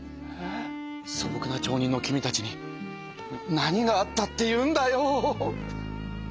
そぼくな町人の君たちに何があったっていうんだよ！